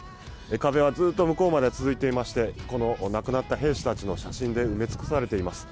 壁はずっと向こうまで続いていましてこの亡くなった兵士たちの写真で埋め尽くされています。